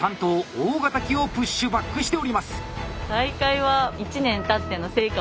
大型機をプッシュバックしております。